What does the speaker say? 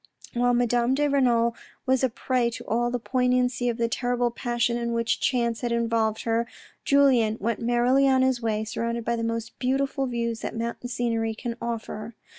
While Madame de Renal was a prey to all the poignancy of the terrible passion in which chance had involved her, Julien went merrily on his way, surrounded by the most beautiful views that mountain scenery can offer.